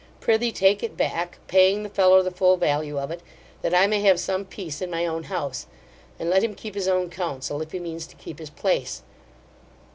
Prithee take it back, paying the fellow the full value of it, that I may have some peace in my own house; and let him keep his own counsel, if he means to keep his place O!